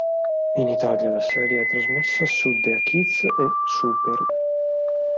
In Italia la serie è trasmessa su DeA Kids e Super!